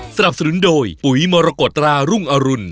สนับสนุนโดยปุ๋ยมรกฎรารุ่งอรุณ